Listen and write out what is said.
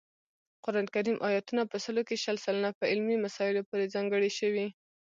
قران کریم آیاتونه په سلو کې شل سلنه په علمي مسایلو پورې ځانګړي شوي